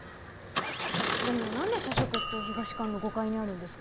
でも何で社食って東館の５階にあるんですか？